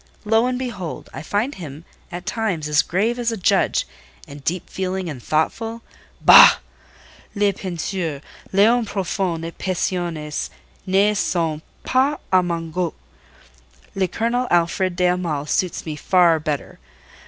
Lo, and behold! I find him at times as grave as a judge, and deep feeling and thoughtful. Bah! Les penseurs, les hommes profonds et passionnés ne sont pas à mon goût. Le Colonel Alfred de Hamal suits me far better.